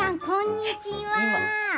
こんにちは。